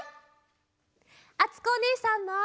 あつこおねえさんも。